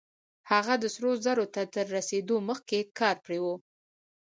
هغه سرو زرو ته تر رسېدو مخکې کار پرېښی و.